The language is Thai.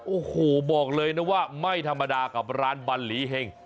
โอ้โหบอกเลยนะว่าไม่ธรรมดากับร้านบัลหลีเห็ง